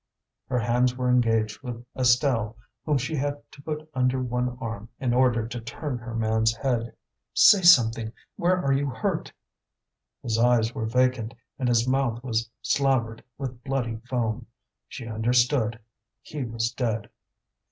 Her hands were engaged with Estelle, whom she had to put under one arm in order to turn her man's head. "Say something! where are you hurt?" His eyes were vacant, and his mouth was slavered with bloody foam. She understood: he was dead.